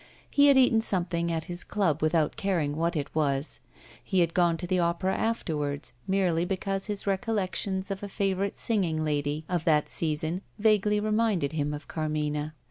He had eaten something at this club, without caring what it was. He had gone to the Opera afterwards, merely because his recollections of a favourite singing lady of that season vaguely reminded him of Carmina.